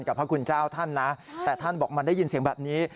พระคุณเจ้าท่านนะแต่ท่านบอกมันได้ยินเสียงแบบนี้